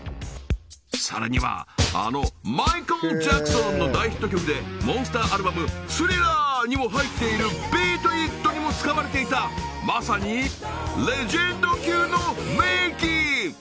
さらにはあのマイケル・ジャクソンの大ヒット曲でモンスターアルバム「スリラー」にも入っている「ＢＥＡＴＩＴ」にも使われていたまさにレジェンド級の名器